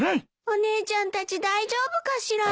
お姉ちゃんたち大丈夫かしら。